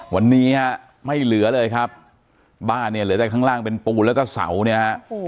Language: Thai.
วันนี้ฮะไม่เหลือเลยครับบ้านเนี่ยเหลือแต่ข้างล่างเป็นปูนแล้วก็เสาเนี่ยฮะ